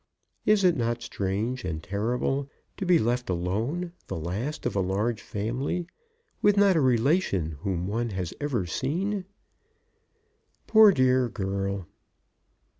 Is it not strange and terrible, to be left alone, the last of a large family, with not a relation whom one has ever seen?" "Poor dear girl!"